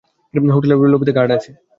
হোটেলের লবিতে গার্ড আছে।